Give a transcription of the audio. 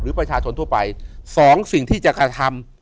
ประชาชนทั่วไปสองสิ่งที่จะกระทำ